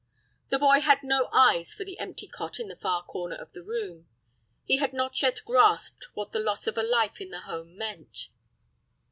The boy had no eyes for the empty cot in the far corner of the room. He had not yet grasped what the loss of a life in the home meant.